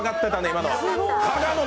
今の。